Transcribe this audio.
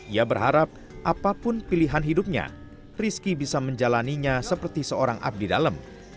ia berharap apapun pilihan hidupnya rizky bisa menjalannya seperti seorang abdi dalam